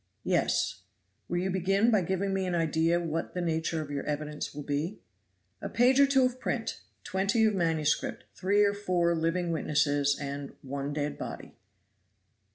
"Yes." "Will you begin by giving me an idea what the nature of your evidence will be?" "A page or two of print twenty of manuscript three or four living witnesses, and one dead body."